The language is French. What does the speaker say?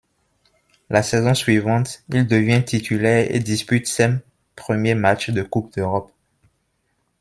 La saison suivante, il devient titulaire et dispute ses premiers matchs de Coupe d'Europe.